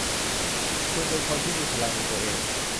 คุณเป็นคนที่มีพลังในตัวเอง